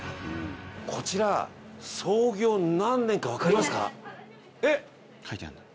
こちら創業何年かわかりますか？